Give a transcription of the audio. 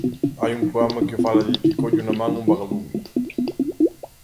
Hai un poema que fala de que collo na man un vagalume.